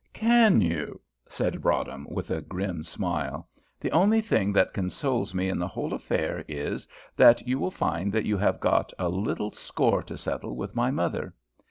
"Can you?" said Broadhem, with a grim smile. "The only thing that consoles me in the whole affair is, that you will find that you have got a little score to settle with my mother.